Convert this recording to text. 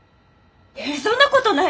そんなことない！